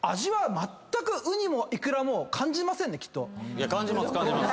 いや感じます感じます。